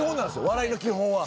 笑いの基本は。